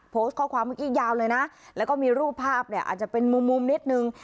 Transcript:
โพสต์ข้อความเมื่อกี้ยาวเลยนะแล้วก็มีรูปภาพเนี่ยอาจจะเป็นมุมมุมนิดนึง